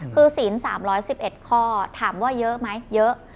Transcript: คือศีล๓๑๑ข้อถามว่าเยอะไหมเยอะ